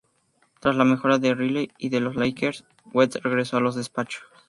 Tras la mejora de Riley y de los Lakers, West regresó a los despachos.